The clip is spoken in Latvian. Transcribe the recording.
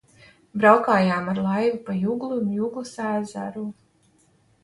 Braukājām ar laivu pa Juglu un Juglas ezeru.